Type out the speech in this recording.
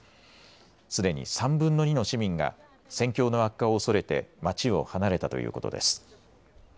すでに３分の２の市民が戦況の悪化を恐れて町を離れたということです。